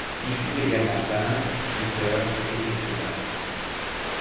Il fut également peintre, sculpteur et écrivain.